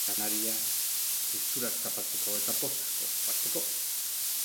Janaria, tristurak tapatzeko, eta pozak ospatzeko.